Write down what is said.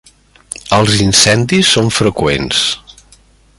Els incendis són freqüents.